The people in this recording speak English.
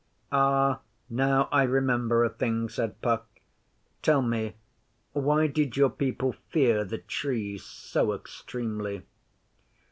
'Ah, now I remember a thing,' said Puck. 'Tell me, why did your people fear the Trees so extremely?